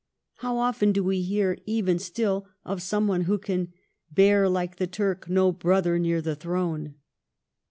How often do we hear even still of someone who can : Bear, like the Turk, no brother near the throne